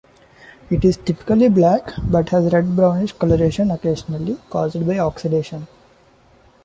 It is typically black but has red-brownish colouration occasionally caused by oxidation.